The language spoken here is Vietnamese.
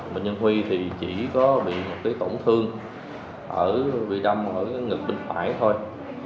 bệnh nhân huy thì chỉ có bị một cái tổn thương ở bị đâm ở ngực bên phải thôi